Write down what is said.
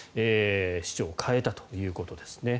市長を代えたということですね。